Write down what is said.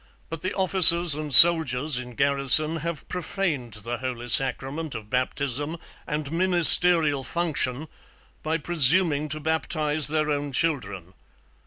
But the Officers and Soldiers in Garrison have Prophaned the Holy Sacrament of Baptism and Ministeriall Function, by presuming to Baptize their own children.